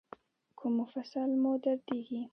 کوم مفصل مو دردیږي؟